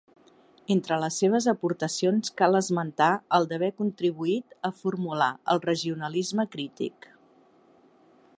Entre les seves aportacions cal esmentar la d'haver contribuït a formular el regionalisme crític.